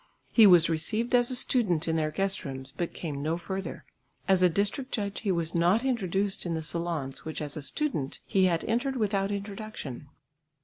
He was received as a student in their guest rooms but came no further; as a district judge he was not introduced in the salons which as a student he had entered without introduction.